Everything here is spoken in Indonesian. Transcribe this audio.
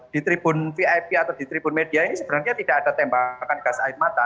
di tribun vip atau di tribun media ini sebenarnya tidak ada tembakan gas air mata